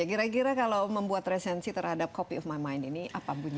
kira kira kalau membuat resensi terhadap copy of mind mind ini apa bunyi